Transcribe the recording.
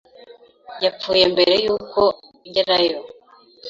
Yapfuye mbere yuko ngerayo.